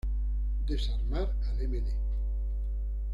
Desarmar al md.